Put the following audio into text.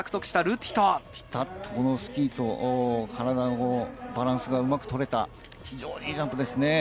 ピタっと体とスキーのバランスがうまく取れた非常に良いジャンプです。